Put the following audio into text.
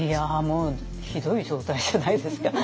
もうひどい状態じゃないですか。